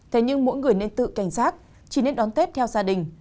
thế nhưng mỗi người nên tự cảnh giác chỉ nên đón tết theo gia đình